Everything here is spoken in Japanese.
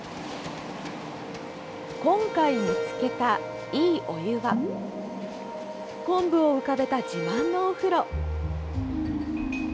今回見つけた、いいお湯はこんぶを浮かべた自慢のお風呂。